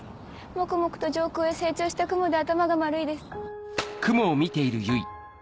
もくもくと上空へ成長した雲で頭が丸いです。